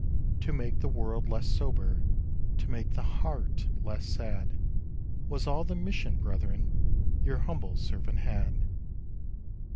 "To make the world less sober, To make the heart less sad, Was all the mission, brethren, Your humble servant had."